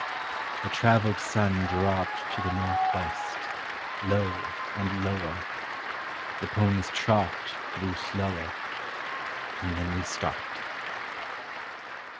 . The travelled sun dropped To the north west, low and lower, The pony's trot grew slower, And then we stopped.